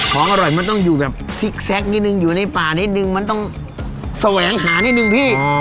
ของอร่อยมันต้องอยู่แบบซิกแซคนิดนึงอยู่ในป่านิดนึงมันต้องแสวงหานิดนึงพี่